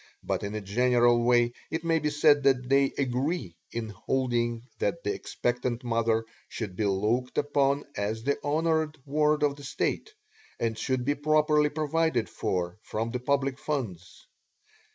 but in a general way it may be said that they agree in holding that the expectant mother should be looked upon as the honored ward of the State, and should be properly provided for from the public funds.